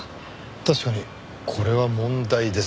確かにこれは問題ですね。